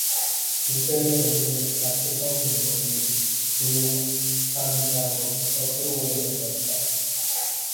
무쇠를 녹이는 듯한 뜨거운 눈물이 구 곡간장으로부터 끓어오르는 것이다.